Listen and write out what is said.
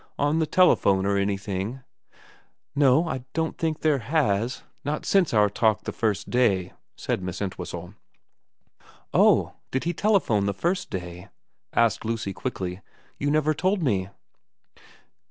On the telephone or anything ?'' No, I don't think there has not since our talk the first day,' said Miss Entwhistle. ' Oh ? Did he telephone the first day ?' asked Lucy quickly. ' You never told me.'